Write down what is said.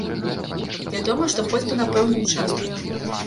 Вядома, што хоць бы на пэўную частку.